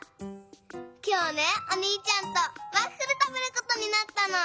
きょうねおにいちゃんとワッフルたべることになったの。